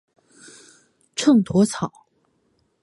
秤砣草